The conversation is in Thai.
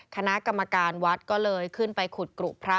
คณะกรรมการวัดก็เลยขึ้นไปขุดกรุพระ